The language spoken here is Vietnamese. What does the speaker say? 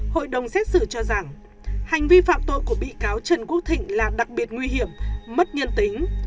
hội đồng xét xử cho rằng hành vi phạm tội của bị cáo trần quốc thịnh là đặc biệt nguy hiểm mất nhân tính